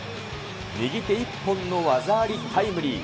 右手一本の技ありタイムリー。